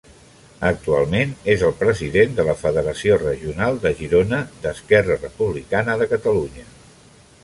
Actualment és el President de la Federació Regional de Girona d'Esquerra Republicana de Catalunya.